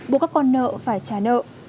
buộc các con nợ phải trả nợ